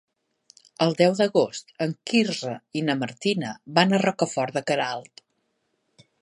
El deu d'agost en Quirze i na Martina van a Rocafort de Queralt.